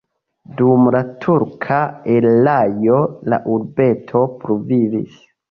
Dum la turka erao la urbeto pluvivis.